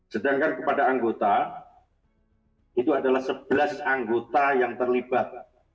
sedangkan kepada anggota itu adalah sebelas anggota yang terlibat